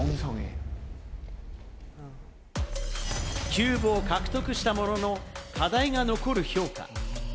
キューブを獲得したものの、課題が残る評価。